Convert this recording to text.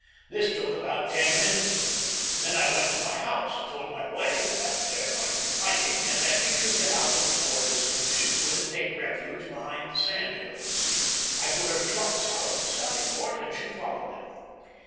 This took about ten minutes. Then I went to my house, told my wife that there might be fighting, and that she must get out of the fort as soon as she could and take refuge behind the sand hills. I put her trunks out of the sally port, and she followed them.